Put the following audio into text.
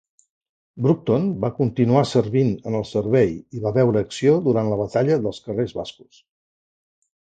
Broughton va continuar servint en el servei i va veure acció durant la batalla dels Carrers Bascos.